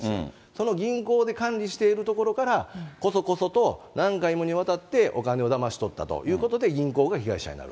その銀行で管理しているところから、こそこそと何回にもわたってお金をだまし取ったということで、はぁ。